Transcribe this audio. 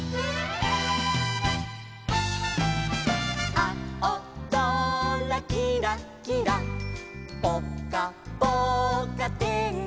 「あおぞらきらきらぽかぽかてんき」